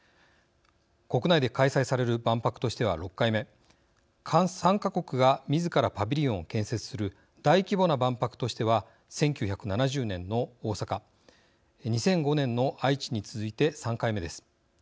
国内で開催される万博としては６回目参加国がみずからパビリオンを建設する大規模な万博としては１９７０年の大阪２００５年の愛知に続いて３回目です。